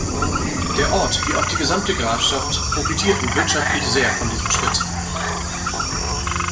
Der Ort wie auch die gesamte Grafschaft profitierten wirtschaftlich sehr von diesem Schritt.